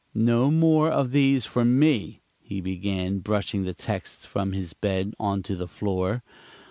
"No more of these for me," he began, brushing the texts from his bed onto the floor.